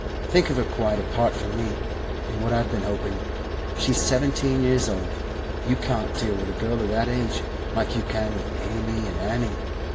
Think of her quite apart from me, and what I've been hoping. She's seventeen years old. You can't deal with a girl of that age like you can with Amy and Annie.